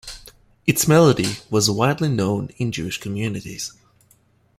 Its melody was widely known in Jewish communities.